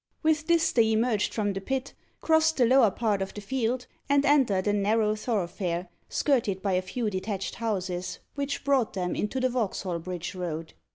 With this they emerged from the pit, crossed the lower part of the field, and entered a narrow thoroughfare, skirted by a few detached houses, which brought them into the Vauxhall Bridge Road.